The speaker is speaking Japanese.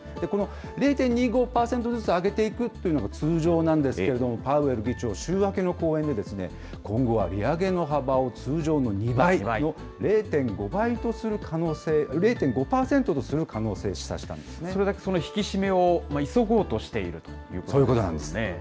この０．２５％ずつ上げていくというのが通常なんですけれども、パウエル議長、週明けの講演で、今後は利上げの幅を通常の２倍の０．５％とする可能性を示唆したそれだけその引き締めを急ごうとしているということなんですね。